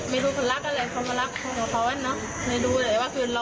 แบบตรงนั้นแหละก็ไม่รู้น่ะ